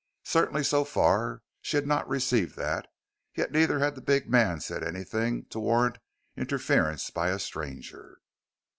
Certainly so far she had not received that, yet neither had the big man said anything to warrant interference by a stranger.